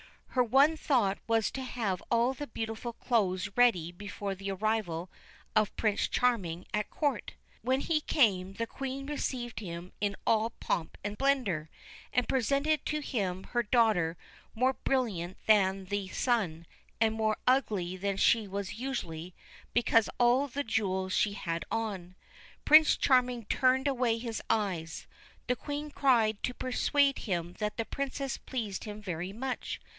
Her one thought was to have all the beautiful clothes ready before the arrival of Prince Charming at court. When he came the Queen received him in all pomp and splendour, and presented to him her daughter more brilliant than the sun, and more ugly than she was usually, because of all the jewels she had on. Prince Charming turned away his eyes ; the Queen tried to persuade him that the Princess pleased him very much.